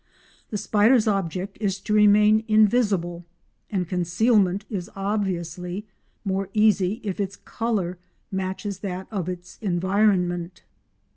The spider's object is to remain invisible, and concealment is obviously more easy if its colour matches that of its environment.